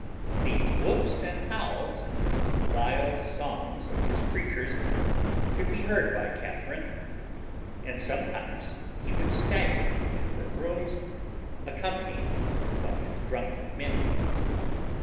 The whoops and howls and vile songs of his creatures could be heard by Catharine; and sometimes he would stagger into her rooms, accompanied by his drunken minions.